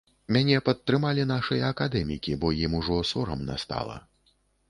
Мяне падтрымалі нашыя акадэмікі, бо ім ужо сорамна стала.